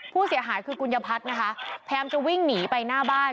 ผู้เสียหายคือกุญญพัฒน์นะคะพยายามจะวิ่งหนีไปหน้าบ้าน